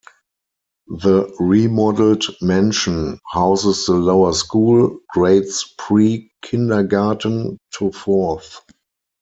The remodeled mansion houses the lower school, grades pre-kindergarten to fourth.